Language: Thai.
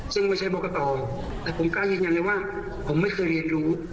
ซึ่งไม่ใช่กรกตแต่ผมกล้ายืนยันเลยว่าผมไม่เคยเรียนรู้